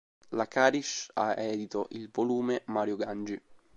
La Carisch ha edito il volume "Mario Gangi.